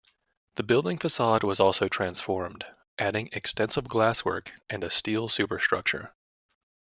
The building facade was also transformed, adding extensive glasswork and a steel superstructure.